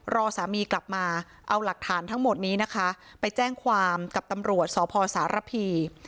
รอสามีกลับมาเอาหลักฐานทั้งหมดนี้นะคะไปแจ้งความกับตำรวจสพสารพี